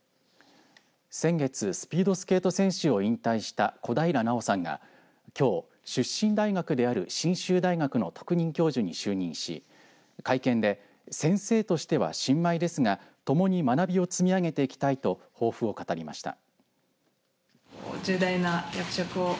先月、スピードスケート選手を引退した小平奈緒さんがきょう出身大学である信州大学の特任教授に就任し会見で先生としては新米ですがともに学びを積み上げていきたいと抱負を語りました。